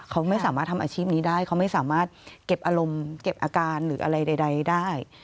เขาไม่สามารถทำอาชีพนี้ได้เขาไม่สามารถเก็บอารมณ์เก็บอาการหรืออะไรใดได้